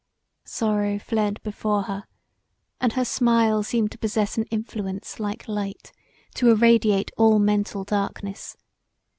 Sorrow fled before her; and her smile seemed to possess an influence like light to irradiate all mental darkness.